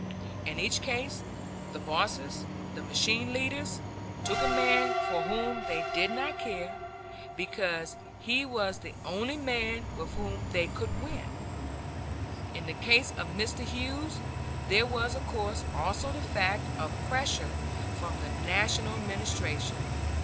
In each case the bosses, the machine leaders, took a man for whom they did not care, because he was the only man with whom they could win. In the case of Mr. Hughes there was of course also the fact of pressure from the National Administration.